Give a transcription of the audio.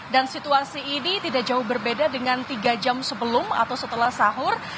dan situasi ini tidak jauh berbeda dengan tiga jam sebelum atau setelah sahur